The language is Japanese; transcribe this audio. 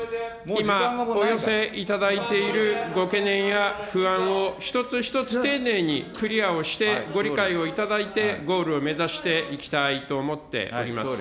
今、お寄せいただいているご懸念や、不安を一つ一つ丁寧にクリアをして、ご理解をいただいて、ゴールを目指していきたいと思っております。